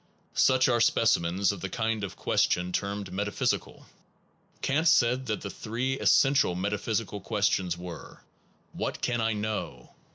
Such are specimens of the kind of question termed metaphysical. Kant said that the three essential metaphysical questions were: What can I know?